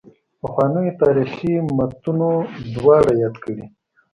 پخوانیو تاریخي متونو دواړه یاد کړي.